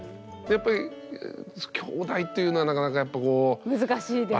やっぱりきょうだいっていうのはなかなかやっぱこう。